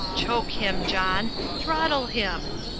Choke him, John! Throttle him!